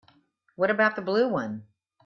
What about the blue one?